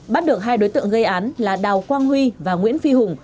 bắt được hai đối tượng gây án là đào quang huy và nguyễn phi hùng